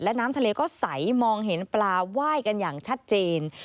และน้ำทะเลก็ใสมองเห็นปลาไหว้กันอย่างชัดเจน